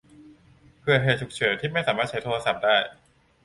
เผื่อเหตุฉุกเฉินที่ไม่สามารถใช้โทรศัพท์ได้